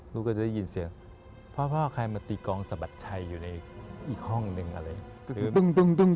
ก็จะได้ยินเสียงพ่อใครมาตีกองสะบัดชัยอยู่ในอีกห้องหนึ่งอะไรอย่างนี้